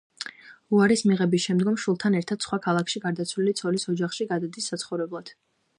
უარის მიღების შემდეგ, შვილთან ერთად სხვა ქალაქში, გარდაცვლილი ცოლის ოჯახში, გადადის საცხოვრებლად.